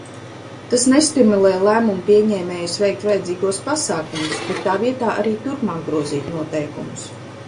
Tas nestimulē lēmumpieņēmējus veikt vajadzīgos pasākumus, bet tā vietā arī turpmāk grozīt noteikumus.